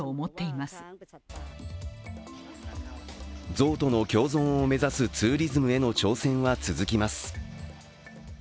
ゾウとの共存を目指すツーリズムへの挑戦は続きます。